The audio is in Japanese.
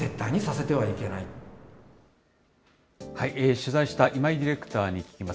取材した今井ディレクター聞きます。